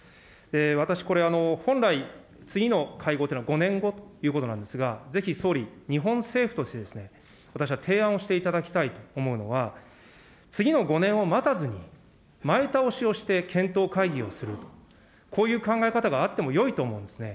私これ、本来、次の会合というのは５年後ということなんですが、ぜひ総理、日本政府としてですね、私は提案をしていただきたいと思うのは、次の５年を待たずに、前倒しをして検討会議をする、こういう考え方があってもよいと思うんですね。